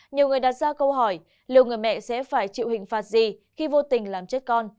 nhiều người đặt ra câu hỏi liệu người mẹ sẽ phải chịu hình phạt gì khi vô tình làm chết con